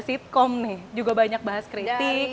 sitkom nih juga banyak bahas kritik